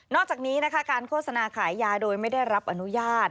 อกจากนี้นะคะการโฆษณาขายยาโดยไม่ได้รับอนุญาต